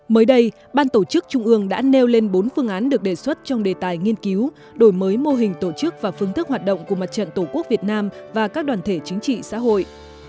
mới đây ban tổ chức trung ương đã nêu lên bốn phương án được đề xuất trong đề tài nghiên cứu đổi mới mô hình tổ chức và phương thức hoạt động của mặt trận tổ quốc việt nam và các đoàn thể chính trị xã hội